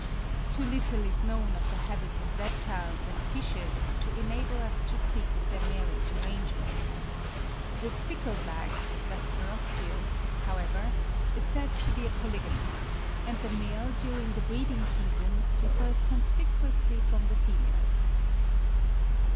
Too little is known of the habits of reptiles and fishes to enable us to speak of their marriage arrangements. The stickle back (Gasterosteus), however, is said to be a polygamist (17. Noel Humphreys, 'River Gardens,' 1857.); and the male during the breeding season differs conspicuously from the female.